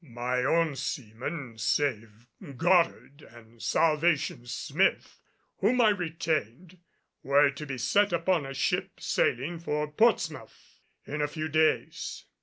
My own seamen, save Goddard and Salvation Smith whom I retained, were to be set upon a ship sailing for Portsmouth in a few days.